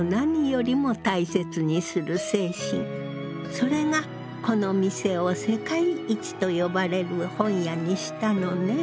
それがこの店を世界一と呼ばれる本屋にしたのね。